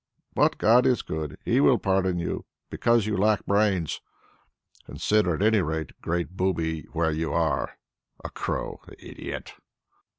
But God is good; He will pardon you; because you lack brains. Consider at any rate, great booby, where you are. 'A crow' ... the idiot!"